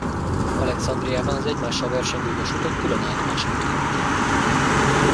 Alexandriában az egymással versengő vasutak külön állomásokat építettek.